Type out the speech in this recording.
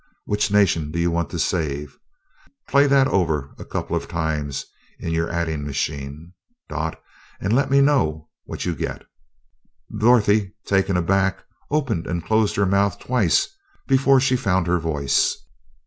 Which nation do you want saved? Play that over a couple of times on your adding machine, Dot, and let me know what you get." Dorothy, taken aback, opened and closed her mouth twice before she found her voice.